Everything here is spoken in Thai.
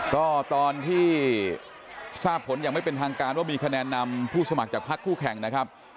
ก็ตอนที่ทราบผลอย่างไม่เป็นทางการว่ามีคะแนนนำผู้สมัครจากพักคู่แข่งนะครับ